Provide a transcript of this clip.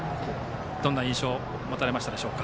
どんな印象を持たれましたか。